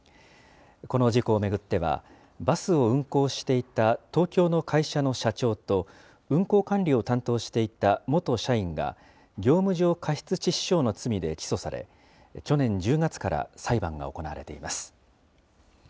この事故を巡っては、バスを運行していた東京の会社の社長と、運行管理を担当していた元社員が、業務上過失致死傷の罪で起訴され、去年１０月から裁判が行われています。